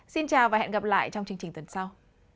xin chào và hẹn gặp lại trong chương trình tuần sau